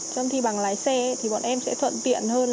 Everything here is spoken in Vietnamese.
trong thi bằng lái xe thì bọn em sẽ thuận tiện hơn